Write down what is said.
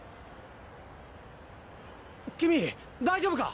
君大丈夫か！？